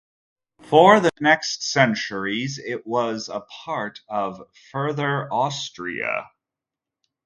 For the next centuries it was a part of Further Austria.